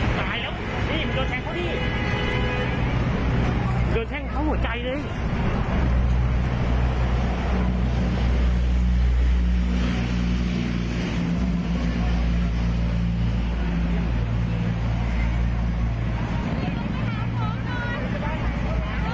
ไม่ไหวแล้วมันโดนแทงเข้านั่นแล้ว